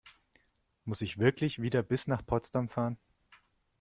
Muss ich wirklich wieder bis nach Potsdam fahren?